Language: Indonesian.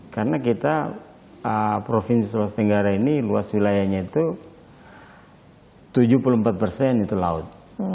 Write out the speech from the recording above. karena kita provinsi sulawesi tenggara ini luas wilayahnya itu tujuh puluh empat persen itu laut